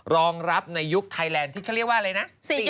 รองรับในยุคไทยแลนด์ที่เขาเรียกว่าอะไรนะ